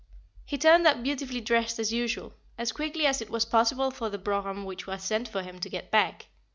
He turned up beautifully dressed as usual, as quickly as it was possible for the brougham which was sent for him to get back.